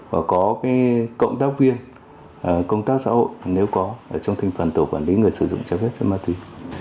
và có cộng tác viên công tác xã hội nếu có trong thành phần tổ quản lý người sử dụng trái phép chất ma túy